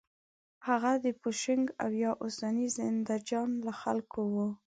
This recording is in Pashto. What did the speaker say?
هغه د پوشنګ او یا اوسني زندهجان له خلکو و.